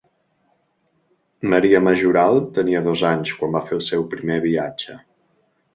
Maria Majoral tenia dos anys quan va fer el seu primer viatge.